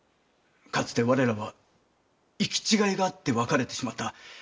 かつて我らは行き違いがあって別れてしまった。